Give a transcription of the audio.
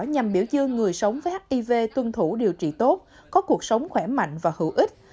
nhằm biểu dương người sống với hiv tuân thủ điều trị tốt có cuộc sống khỏe mạnh và hữu ích